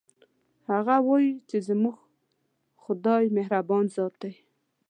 هغه وایي چې زموږ خدایمهربان ذات ده